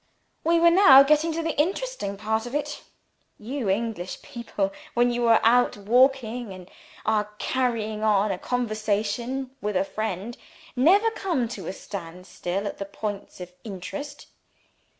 '" We were now getting to the interesting part of it. You English people, when you are out walking and are carrying on a conversation with a friend, never come to a standstill at the points of interest.